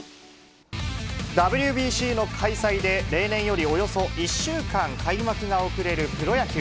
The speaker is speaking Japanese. ＷＢＣの開催で、例年よりおよそ１週間開幕が遅れるプロ野球。